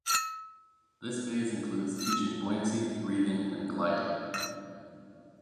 This phase includes teaching buoyancy, breathing, and gliding.